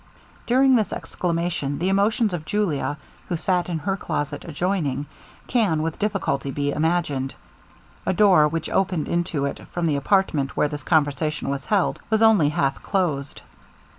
During this exclamation, the emotions of Julia, who sat in her closet adjoining, can with difficulty be imagined. A door which opened into it from the apartment where this conversation was held, was only half closed.